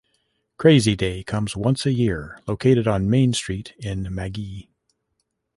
Crazy Day comes once a year located on main street in Magee.